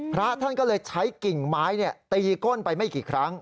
พระท่านก็เลยใช้กิ่งไม้ตีก้นไปไม่กี่ครั้ง